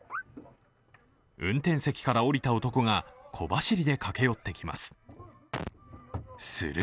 運転席から降りた男が小走りで駆け寄ってきます。